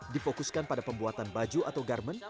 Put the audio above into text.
difokuskan pada pembuatan baju atau garmen